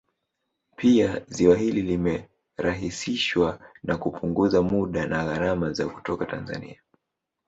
Pia ziwa hili limerahisishsa na kupunguza muda na gharama za kutoka Tanzania